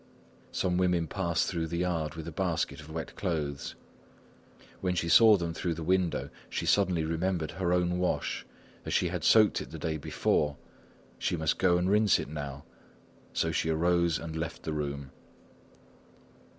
Some women passed through the yard with a basket of wet clothes. When she saw them through the window, she suddenly remembered her own wash; as she had soaked it the day before, she must go and rinse it now. So she arose and left the room.